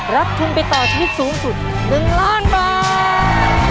รับทุนไปต่อชีวิตสูงสุด๑ล้านบาท